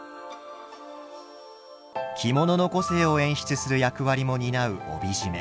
着物の個性を演出する役割も担う帯締め。